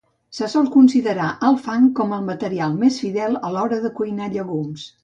Se sol considerar al fang com el material més fidel a l'hora de cuinar llegums.